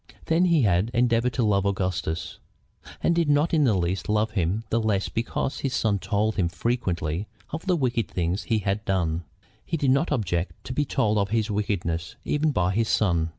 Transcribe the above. Then he had endeavored to love Augustus, and did not in the least love him the less because his son told him frequently of the wicked things he had done. He did not object to be told of his wickedness even by his son.